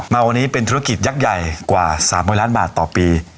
มาวันนี้เป็นธุรกิจยักษ์ใหญ่กว่า๓๐๐ล้านบาทต่อปี